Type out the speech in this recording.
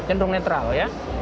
cenderung netral ya